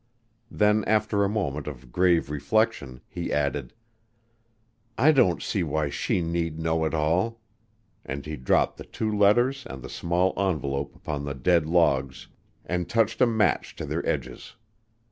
Then after a moment of grave reflection he added: "I don't see why she need know it all," and he dropped the two letters and the small envelope upon the dead logs and touched a match to their edges.